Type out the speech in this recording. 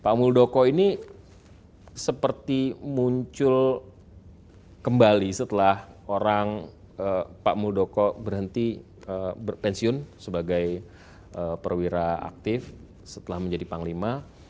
pak muldoko ini seperti muncul kembali setelah orang pak muldoko berhenti berpensiun sebagai perwira aktif setelah menjadi panglima